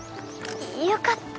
よかった。